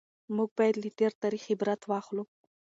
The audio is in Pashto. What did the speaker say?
موږ باید له تېر تاریخ څخه عبرت واخلو.